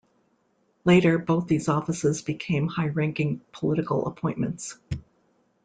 Later, both these offices became high-ranking political appointments.